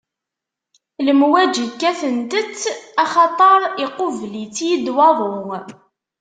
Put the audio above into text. Lemwaǧi kkatent-tt axaṭer iqubel-itt-id waḍu.